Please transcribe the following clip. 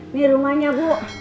ini rumahnya bu